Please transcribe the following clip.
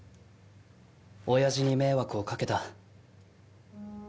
おやじに迷惑をかけた。